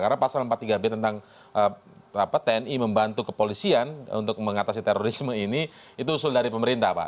karena pasal empat tiga b tentang tni membantu kepolisian untuk mengatasi terorisme ini itu usul dari pemerintah pak